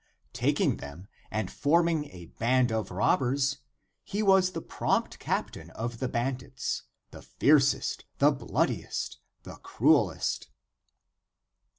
Taking them and forming a band of robbers, he was the prompt captain of the bandits, the fiercest, the bloodiest, the crudest.